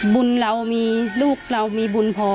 บุญลูกเรามีพอ